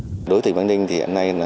đối với tỉnh bắc ninh thì hiện nay